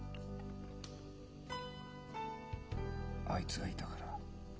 あいつがいたから。